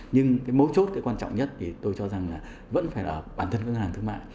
nhưng cái mấu chốt cái quan trọng nhất thì tôi cho rằng là vẫn phải là bản thân các ngân hàng thương mại